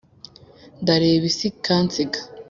ndareba isi ikansiga